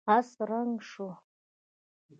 آس ړنګ شو.